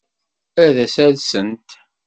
Ad as-alsent.